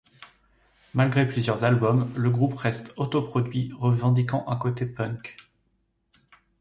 Malgré plusieurs albums, le groupe reste auto-produit, revendiquant un côté punk.